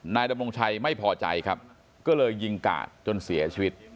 นายดำรงชัยไม่พอใจครับก็เลยยิงกาดจนเสียชีวิต